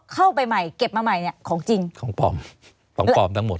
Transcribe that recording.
เข้าไปใหม่เก็บมาใหม่เนี่ยของจริงของปลอมของปลอมทั้งหมด